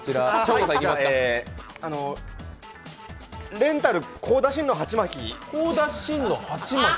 レンタル、香田晋の鉢巻き。